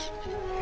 「え？」